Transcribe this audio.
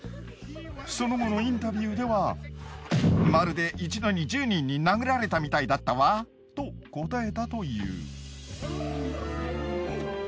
その後のインタビューではまるで一度に１０人に殴られたみたいだったわと答えたという。